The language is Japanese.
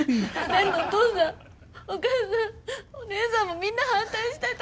レンのお父さんお母さんお姉さんもみんな反対してた。